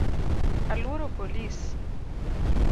Aluoro polis